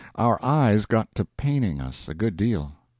Our eyes got to paining us a good deal.